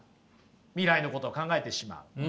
未来のこと考えてしまう。